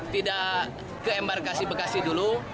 tidak ke embarkasi bekasi dulu